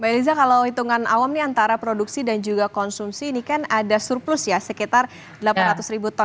mbak reza kalau hitungan awam antara produksi dan juga konsumsi ini kan ada surplus ya sekitar delapan ratus ribu ton